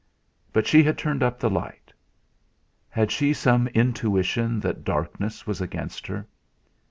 But she had turned up the light. Had she some intuition that darkness was against her?